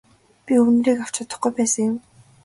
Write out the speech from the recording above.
Би үнэрийг авч чадахгүй байсан юм.